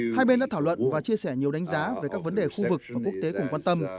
hai bên đã thảo luận và chia sẻ nhiều đánh giá về các vấn đề khu vực và quốc tế cùng quan tâm